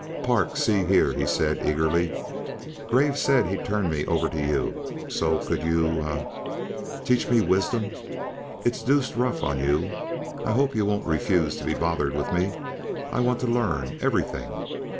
"Park, see here," he said eagerly. "Graves said he'd turn me over to you, so you could er teach me wisdom. It's deuced rough on you, but I hope you won't refuse to be bothered with me. I want to learn everything.